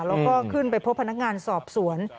แล้วก็ขึ้นไปพบพนักงานสอบสวน